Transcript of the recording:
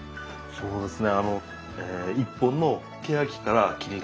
そうですね。